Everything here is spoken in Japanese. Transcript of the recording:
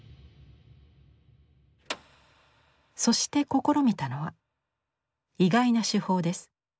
そして試みたのは意外な手法です。